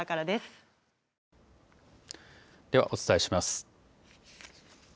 ではお伝えします。